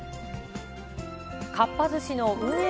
かっぱ寿司の運営